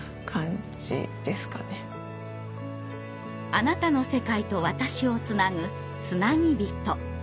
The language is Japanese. あなたの世界と私をつなぐ「つなぎびと」。